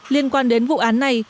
liên quan đến vụ án này